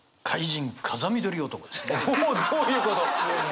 おおどういうこと？